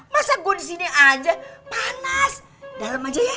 masa gue disini aja panas dalam aja ya